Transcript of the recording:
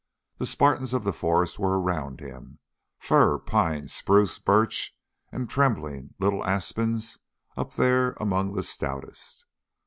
The Spartans of the forest were around him fir, pine, spruce, birch, and trembling little aspens up there among the stoutest.